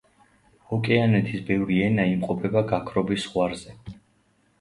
ოკეანეთის ბევრი ენა იმყოფება გაქრობის ზღვარზე.